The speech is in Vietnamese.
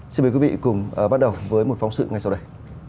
xin mời quý vị cùng bắt đầu với một phóng sự ngay sau đây